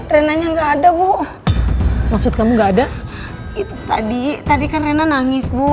rena ada yang liat rena gak